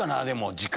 時間。